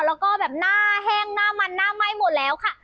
แล้วก็แบบหน้าแห้งหน้ามันหน้าไหม้หมดแล้วค่ะ